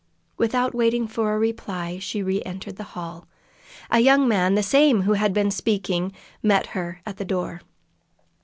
Without waiting for a reply, she re entered the hall. A young man, the same who had been speaking, met her at the door.